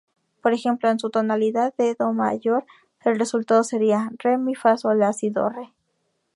Por ejemplo, en la tonalidad de do mayor el resultado sería "re-mi-fa-sol-la-si-do-re".